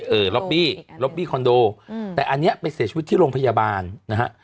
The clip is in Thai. ล็อบบี้ล็อบบี้คอนโดอืมแต่อันนี้ไปเสียชีวิตที่โรงพยาบาลนะฮะ